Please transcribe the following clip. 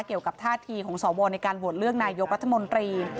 เกี่ยวกับท่าทีของสวในการโหวตเลือกนายกรัฐมนตรี